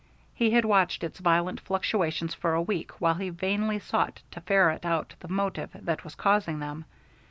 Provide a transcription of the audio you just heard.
He had watched its violent fluctuations for a week while he vainly sought to ferret out the motive that was causing them.